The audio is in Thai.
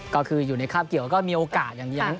ก็คืออยู่ในคราบเกี่ยวก็มีโอกาสอย่างนี้